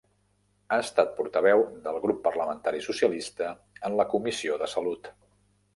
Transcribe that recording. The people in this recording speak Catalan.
Ha estat portaveu del grup parlamentari socialista en la Comissió de Salut.